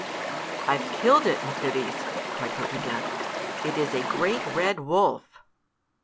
"I've killed it, Nycteris," cried Photogen. "It is a great red wolf."